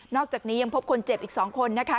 อกจากนี้ยังพบคนเจ็บอีก๒คนนะคะ